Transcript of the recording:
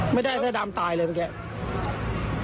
ไม่ได้แม่ดำตายเลยเมื่อกี้